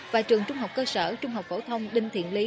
và trường trung học cơ sở trung học phổ thông đinh thiện lý